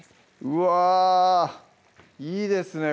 うわぁいいですね